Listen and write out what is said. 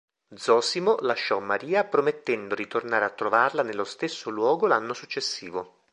Zosimo lasciò Maria promettendo di tornare a trovarla nello stesso luogo l'anno successivo.